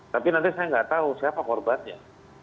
tapi nanti saya nggak tahu siapa korbannya